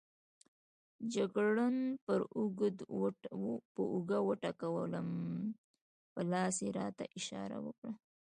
جګړن پر اوږه وټکولم، په لاس یې راته اشاره وکړه.